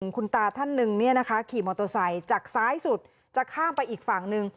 คุณตาท่านหนึ่งขี่มอเตอร์ไซค์จากซ้ายสุดจะข้ามไปอีกฝั่งหนึ่ง